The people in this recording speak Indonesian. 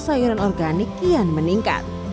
sayuran organik kian meningkat